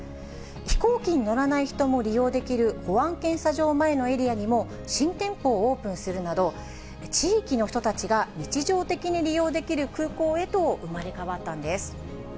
飛行機に乗らない人も利用できる保安検査場前のエリアにも新店舗をオープンするなど、地域の人たちが日常的に利用できる空港へと生まれ変わったんです。